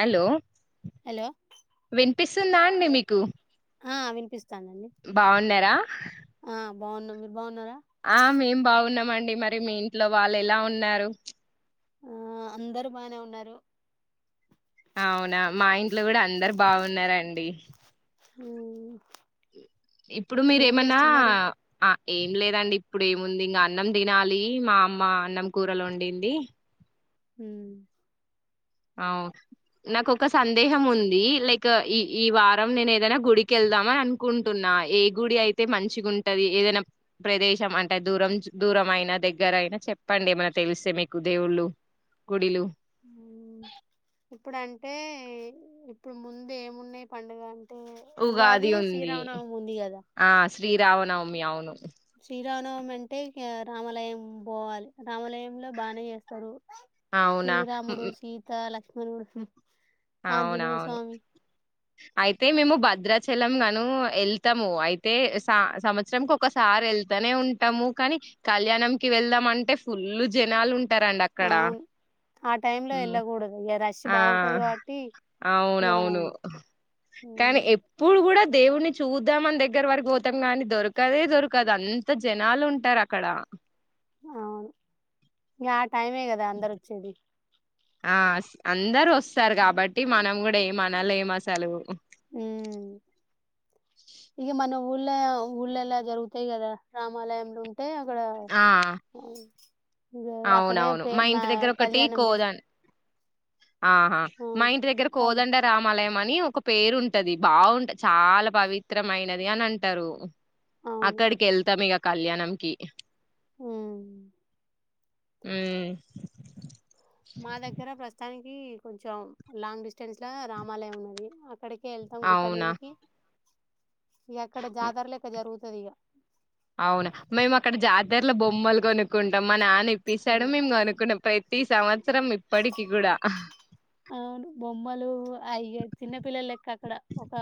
Hello hello వినిపిస్తుందా అండి మీ కు ఆ వినిపిస్తు బాగున్నారా ఆ బాగున్నాం మీర్ బాగున్నారా ఆ మేం బాగున్నామండి, మరి మీ ఇంట్లో వాళ్ళు ఎలా ఉన్నారు. ఆ అందరు బానే ఉన్నారు అవునా మా ఇంట్లో కూడా అందరు బాగున్నారండి. హ్మ్మ్ ఇప్పుడు మీరేమన్నా చేస్తున్నారు ఆ ఏం లేదండి ఇప్పుడు ఏముంది ఇంకా అన్నం తినాలి, మా అమ్మ అన్నం కూరలు వండింది. హ్మ్మ్ అ నాకు ఒక సందేహం ఉంది లైక్ ఈ ఈ వారం నేను ఏదైనా గుడికి వెళ్దామని అనుకుంటున్నా, ఏ గుడి అయితే మంచిగా ఉంటది. ఏదైనా ప్రదేశం అంటే దూరం దూరం అయినా దగ్గర అయినా చెప్పండి. ఏమైనా తెలిస్తే మీకు దేవుళ్ళు గుడిలు. హ్మ్మ్ ఇప్పుడంటే ఇప్పుడు ముందు ఏమున్నాయి పండుగా ఉగాది ఉంది ఆ శ్రీరామనవమ్ అవును శ్రీరామనవం అంటే ఇకా రామాలయం బోవాలి, రామాలయంలో బానే చేస్తారు. అవునా మ్, శ్రీరాముడు మ్, సీత లక్ష్ హుమ్మ్ అవునవును అయితే మేము భద్రా చెలం ను వెళ్తాము అయితే సా సంవత్సరం క ఒకసారి వెళ్తానే ఉంటాము కానీ కళ్యాణం కి వెళ్దాం అంటే ఫుల్ జనాలు ఉం అవున్ ఆ టైమ్ లో హ్మ్. వెళ్ళకూడదు రష్ ఆ బాగుంటది కాబట్టి ఇగ మనం అవునవును కానీ మ్ ఎప్పుడు కూడా దేవున్ చూద్దాం అని దగ్గర వరకు పోతాం గానీ, దొరకదే దొరకదు అంత జనాలు ఉంటారు అక్కడ. ఇంగా ఆ టైమే కదా అందరు వచ్చేది. ఆ అందరు వస్తారు కాబట్టి మనం కూడా ఏమ అనలేం అసలు. ఇగ మన ఊళ్ళ ఊళ్ళల్ల జరుగుతయి కదా రామాలయంలో అంటే అక్కడా ఆ ఇగ అక్కడే అవునవును. మా ఇంటి దగ్గర ఒకటి కళ్యాణం చేస్ కోదం ఆహా మా ఇంటి దగ్గర కోదండ రామాల లయం అని ఒక పేరుంటది బాగుంట చాలా పవిత్రమైనది అని అంటరు. అవును అక్కడ్కెళ్తాం ఇగ కళ్యాణంకి మ్ మ్ మా దగ్గర ప్రస్తుతాని కీ కొంచం లాంగ్ డిస్టెన్స్లా రామాలయం ఉన్నది. అక్కడ్కే ఎళ్తాం గుట్ట అవునా! మీదికి ఇగ అక్కడ జాతరలెక్క జరుగు తదిగ అవ్నా మేం అక్కడ జాతర్ల బొమ్మల్ కొనుక్కుంటాం మా నా ఇప్పిస్తాడు మేం కొనుకునే ప్రయ తీసా [unintelligible] అవసరం ఇప్పట్కి గుడ అయ్యే చిన్న పిల్లల్లెక్క అక్కడ ఒక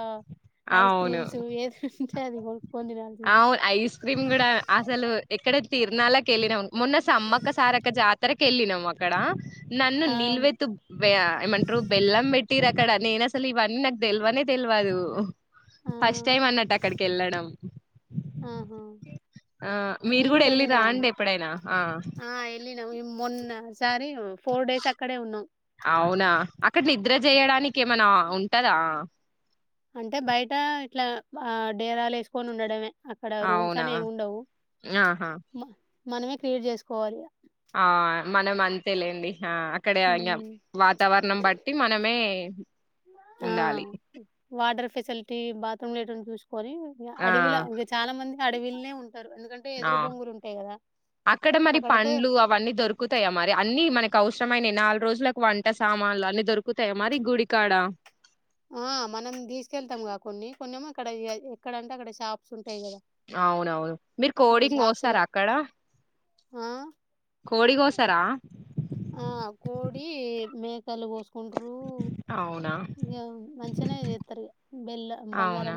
ఐస్ అవును. క్రీమ్స్ ఏది ఉంటే అది కొనుక్కొని తినాల్సింది అవును. ఐస్ క్రీమ్ గూడా అసలు ఎక్కడ తిర్నాల్లకెళ్ళినం మొన్న సమ్మక సారక్క జాతరకెళ్ళినం అక్కడా నన్ను అవును నిల్వెతు వే ఏమంటరు బెల్లం పెట్టిన్రక్కడ నేన్ అసల్ ఇవన్నీ తెల్వనే తెల్వదు. ఫస్ట్ ఆ టైం అన్నట్టు అక్కడికెళ్ళడం ఆహా ఆ మీరు మేము గుడా కూడా ఎళ్ళి వెళ్ళినామండి రాండి ఎప్పుడైనా ఆ మొన్న సారీవ్ అవునా అక్కడ నిద్ర చేయడా నికి ఏమన్నా ఉంటదా అంటే బయట ఇట్లా ఆ డేరాల్ ఏస్కన్ ఉండడమే అక్కడ రూమ్స్ అవునా! అని ఏం ఉండవు. ఆహా! మా మనమే క్రియేట్ చేస్కోవాలి ఇగ ఆ మనం అంతే లేండి ఆ అక్కడ ఇంకా ఉమ్, వాతావరణం బట్టి మనమే ఆ ఉండాలి. వాటర్ ఫెసిలిటీ బాత్రూమ్ లో కొని ఇం ఆ! అడవిల ఇంకా చాలా మంది అడవిల్నే ఉంటాయి ఆ కదా అక్కడ మరి అక్కడైతే పండ్లు అవన్నీ దొరుకుతాయా మరి అన్ని మనకి అవసరమైన నాలుగు రోజులకు వంట సామాన్లు అన్ని దొరుకుతాయా మరి గుడికాడ పం అక్కడ ఎక్కడంటే అక్కడ షాప్ అవునవును మీరు ఈ కోడింగ్ షాప్స్ కోస్తారా అక్కడ ఆ కోడిగోసరా ఆ కోడి మేకల్ కోస్తారు అవునా! హ్మ్మ్ ఇంక ఏమి మంచిగానే చేస్తారు అవునా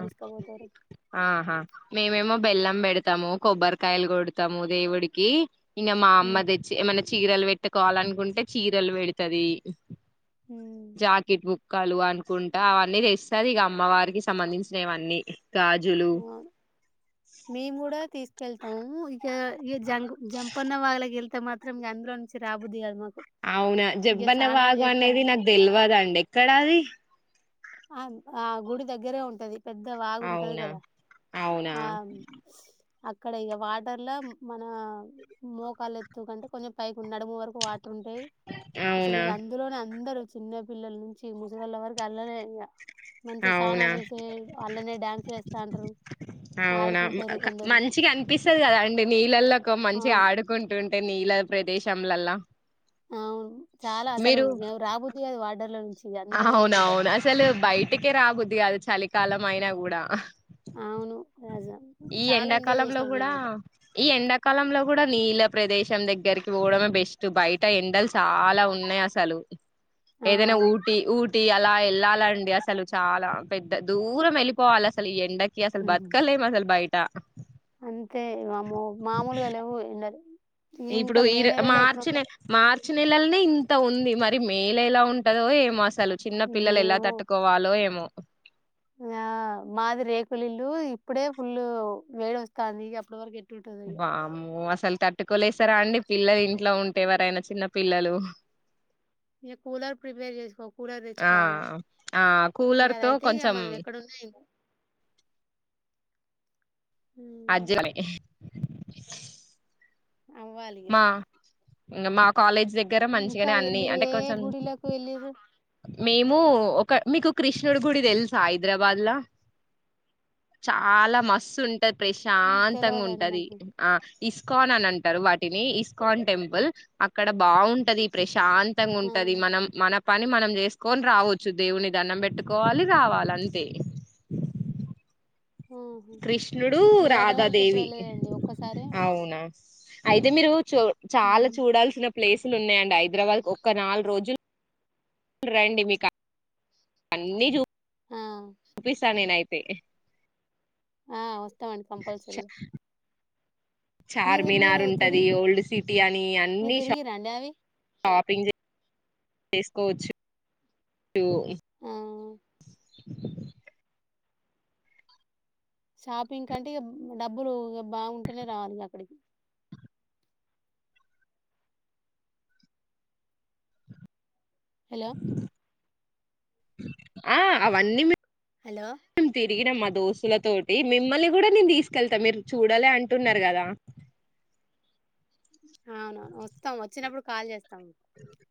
ఆహా మేమేమో బెల్లం పెడతాము కొబ్బరికాయలు కొడతాము దేవుడికి ఇంక మా అమ్మ తెచ్చి ఏమి అన్న చే చీరలు పెట్టుకోవాలనుకుంటే చీరలు పెడుతుది జాకెట్ వుక్ కలు అనుకుంటా అవన్నీ తెస్తాది ఇక అమ్మవారికి సంబంధించినవన్నీ గాజులు అ మేము కూడా తీసుకెళ్ మొత్తం ఇక ఇక జం జంపన్న వాగులకి వెళ్తే మాత్రం ఇక అందులో నుంచి రాబుద్ది కదా మాకు అవునా ఇక జంపన్న స్నానాలు వాగు చేస్తాంటే అనేది నాకు తెలివదండి ఎక్కడాది ఆ ఆ గుడి దగ్గరే ఉంటది పెద్ద వాగుంటుంది అవునా కదా అవునా ఆ అక్కడ ఇక వాటర్ లో మన మోకాలు ఎత్తు కంటే కొంచెం పైకి ఉ నడుము వరకు వాట ఉంటే అసలు అవునా ఇక అందులోనే అందరు చిన్న పిల్లల నుంచి ముసిగాళ్ల వరకి అల్లానే ఇక అవునా డాన్సులు ఏస్తాంటరు అవునా ఆడుకుంటరు కొందరు మంచిగా అనిపిస్తుంది కదా అండి నీళ్ళల్లో మంచిగా అవును ఆడుకుంటుం టే నీల ప్రదేశంలలా అవును చాలా అసలు రాబోదు ఏ వాడర్లోది అవును అవును అసలు బయటికి రాబుద్ధి కాదు చలికాలం అయినా కూడా అవును అస ఈ చాలా ఎంజాయ్ ఎండాకాలంలో చేసినాం కూడా మేమైతే ఈ ఎండాకాలంలో కూడా నీళ్ళ ప్రదేశం దగ్గరికి పోవడమే బెస్ట్ బయట ఎండలు చాలా ఉన్నాయి అసలు ఆ ఏదైనా ఊ టి ఊటి అలా వెళ్ళాలండి అసలు చాలా పెద్ద దూరం వెళ్ళిపోవాలి అసలు ఈ ఎండకి అసలు ఉహు. బత్కాలేం అసలు బైట ట్ట అంతే వామ్మో మామూలుగ లేవ్వు ఎండలు ఇప్పుడు ఇంకా మే ఈర నెలలో మార్చినే ఎట్లుంటదో మార్ చ్చి నెలాల్నే ఇంత ఉంది, మరి మేల ఎలా ఉంటదో ఏమోసల్ సలు చిన్న పిల్లలెలా ఏమో తట్టుకోవాలో ఏమో? ఆ మాది రేకులిల్లు ఇప్పుడే ఫుళ్ళు వేడోస్తాంది ఇగ అప్పటి వరకెట్ బామ్మో అసల్తట్ ట్టుకోలేస్తరా అండి పిల్లలిన్ట్లో ఉంటే ఎవరైనా చిన్న పిల్లలు? ఇగ కూలర్ ప్రిపేర్ చేసుకో, కూలర్ ఆ తెచ్చుకోవాలె. ఆ ఇగ కూలర్ తో అదైతే ఇగ కొంచెం మనం ఎక్కడన్నా ఎంగాద్ మ్ అజ్జుడాలే అవ్వాలిగా ఇంగ మా కాలేజ్ దగ్గర ఇంకా మంచిగానే ఏ అన్ని మీరు అంటే ఏ ఏ కొంచెం గుడిలకు ఎల్లిన్రు? మేము ఒక మీకు కృష్ణుడు గుడి తెలుసా హైదరాబాద్ లా? చాలా మస్తున్ట్ టది ప్రశాంతంగా తెలవదండి ఉంటది మాకు ఆ ఇస్కాన్ అని అంటరు వాటిని, ఇస్కాన్ టెంపుల్ అక్కడ బాగుంటది ప్రశ్ శాంతంగుంటది అవును మనం మన పన్ ని మనం చేసుకొని రావచ్చు, దేవుని దండం పెట్టుకోవాలి రావాలంతే. ఆహా కృష్ణుడు నేను హైదరాబాద్కి ఎప్పుడు రాధాదేవి వెళ్ళలేండి ఒక్కసారే అవునా అయితే మీరు చు చాలా ఉమ్. చూడాల్సిన ప్లేస్ ఫుల్లున్నయండి, హైదరాబాద్ కు ఒక్క నాల్ల్రోజులు రండి మీకా అన్ని జూప్ ఆ తే తం అండి కంపల్సరిగా చార్మినార్ ఉంటది తిరిగి ఓల్డ్ సిటీ అని మీరు అన్ని షాప్ తిరిగిరండి అవి షాపింగ్ జే చేస్కోవచ్చు రూ ఆ షాపింగ్ కంటే ఇగ డబ్బులు ఇగ బాగుంటేనే రావాలిగా అక్కడికి. హలో ఆ, అవన్నీ మీక్ హలో మ్ తిరిగిన మద్ దోస్తుల తోటి మిమ్మల్ని గూడ నేను తీసుకెళ్తా మీరు చూడలే అంటున్నర్గదా? అవునవును వస్తాం వచ్చినప్పుడు కాల్ చేస్తాం తం